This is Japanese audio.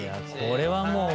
これはもう。